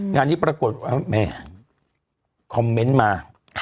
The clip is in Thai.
งานนี้ปรากฏว่าแม่คอมเมนต์มา